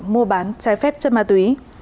mua bán trái phép chất ma túy